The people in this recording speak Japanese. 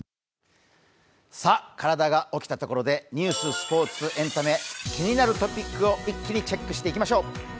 体が起きたところでニュース、スポーツ、エンタメ、気になるトピックを一気にチェックしていきましょう。